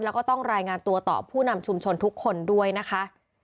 แล้วก็ต้องรายงานตัวต่อผู้นำชุมชนทุกคนด้วยนะคะ